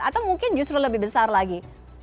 atau mungkin justru lebih besar lagi